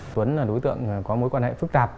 tuấn là đối tượng có mối quan hệ phức tạp